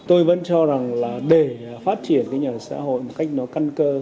tôi vẫn cho rằng là để phát triển cái nhà ở xã hội một cách nó căn cơ